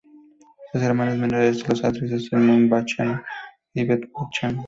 Sus hermanas menores son las actrices Simone Buchanan y Beth Buchanan.